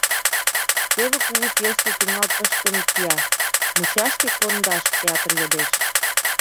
Теве кугу пьесе тӱҥал пыштыме кия, мучашке кондаш театр йодеш.